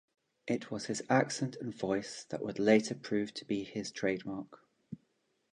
It was his accent and voice that would later prove to be his trademark.